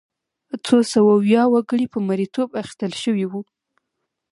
څو سوه ویا وګړي په مریتوب اخیستل شوي وو.